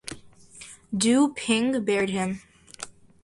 Du Ping buried him.